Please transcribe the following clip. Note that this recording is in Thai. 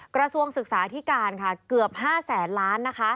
กระทรวงศึกษาที่การเกือบ๕แสนล้านนะคะ